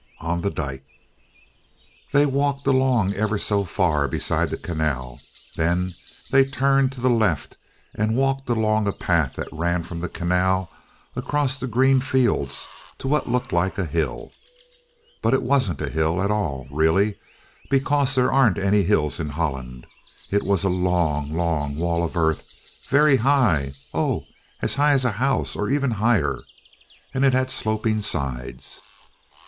On the Dyke They walked along ever so far, beside the canal. Then they turned to the left and walked along a path that ran from the canal across the green fields to what looked like a hill. But it wasn't a hill at all, really, because there aren't any hills in Holland. It was a long, long wall of earth, very high oh, as high as a house, or even higher! And it had sloping sides.